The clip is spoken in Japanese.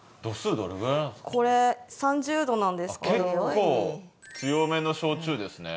結構強めの焼酎ですね。